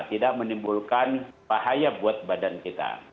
tidak menimbulkan bahaya buat badan kita